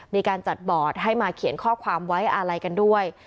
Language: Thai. มีการจัดบอร์ดให้มาเขียนข้อความไว้อาลัยกันด้วย